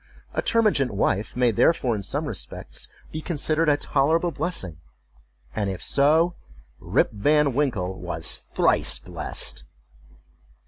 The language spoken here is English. A termagant wife may, therefore, in some respects, be considered a tolerable blessing; and if so, Rip Van Winkle was thrice blessed.